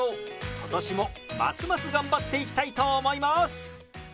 今年もますます頑張っていきたいと思います！